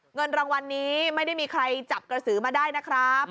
เงินรางวัลนี้ไม่ได้มีใครจับกระสือมาได้นะครับ